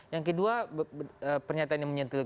yang kedua pernyataan yang menyentuh